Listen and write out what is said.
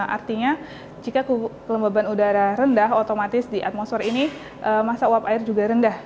artinya jika kelembaban udara rendah otomatis di atmosfer ini masa uap air juga rendah